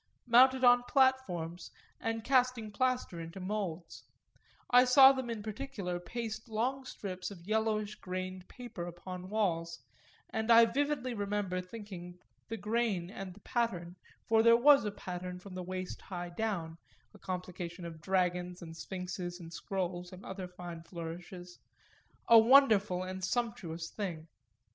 mounted on platforms and casting plaster into moulds; I saw them in particular paste long strips of yellowish grained paper upon walls, and I vividly remember thinking the grain and the pattern (for there was a pattern from waist high down, a complication of dragons and sphinxes and scrolls and other fine flourishes) a wonderful and sumptuous thing.